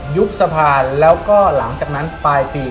ยุบสะพานแล้วก็หลังจากนั้นปลายปี